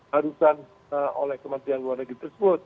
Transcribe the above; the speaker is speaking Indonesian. harusan oleh kementerian luar negeri tersebut